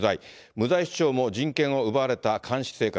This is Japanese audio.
無罪主張も、人権を奪われた監視生活。